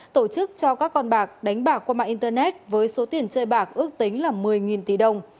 tổ chức cho các con bạc đánh bạc qua mạng internet với số tiền chơi bạc ước tính là một mươi tỷ đồng